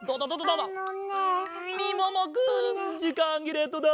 うんみももくんじかんぎれットだ！